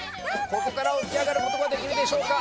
ここから起きあがることができるでしょうか？